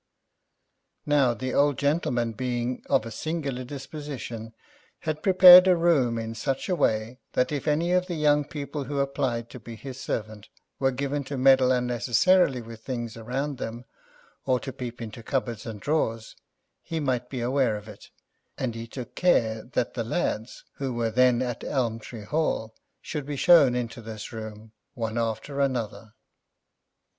Now the old gentleman, being of a singular disposition, had prepared a room in such a way that, if any of the young people who applied to be his servant were given to meddle unnecessarily with things[Pg 36] around them, or to peep into cupboards and drawers, he might be aware of it, and he took care that the lads, who were then at Elm Tree Hall, should be shown into this room one after another.